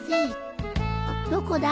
どこだ？